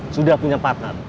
sudah punya partner